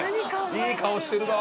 いい顔してるな。